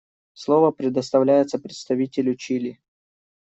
Слово предоставляется представителю Чили.